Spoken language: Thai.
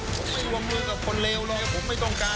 ผมไม่วงมือกับคนเลวเลยผมไม่ต้องการ